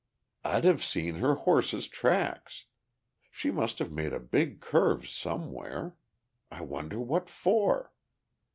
"I'd have seen her horse's tracks. She must have made a big curve somewhere. I wonder what for?"